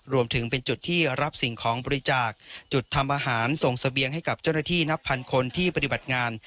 รวมถึงเป็นจุดที่รับสิ่งของบริจาคจุดทำอาหารส่งเสบียงให้กับเจ้าหน้าที่นับพันคนที่ปฏิบัติงาน